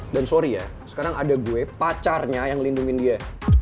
dan sorry ya sekarang ada gue pacarnya yang ngelindungin dia